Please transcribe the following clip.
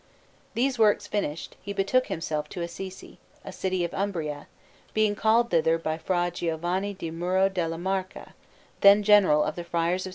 These works finished, he betook himself to Assisi, a city of Umbria, being called thither by Fra Giovanni di Muro della Marca, then General of the Friars of S.